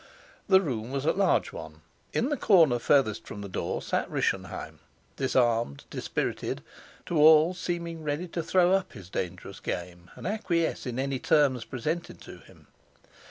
The room was a large one. In the corner farthest from the door sat Rischenheim, disarmed, dispirited, to all seeming ready to throw up his dangerous game and acquiesce in any terms presented to him.